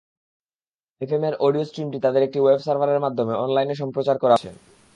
এফএমের audio স্ট্রিমটি তাদের একটি ওয়েব সার্ভারের মাধ্যমে অনলাইনে সম্প্রচার করা হচ্ছে।